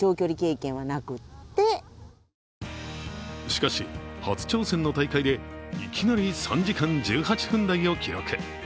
しかし、初挑戦の大会でいきなり３時間１８分台を記録。